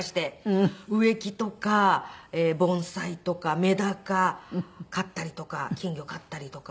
植木とか盆栽とかメダカ飼ったりとか金魚飼ったりとか。